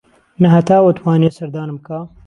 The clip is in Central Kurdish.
نە هەتاو ئەتوانێ سەردانم بکا